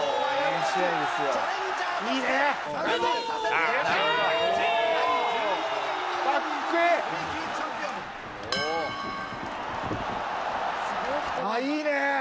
ああいいね！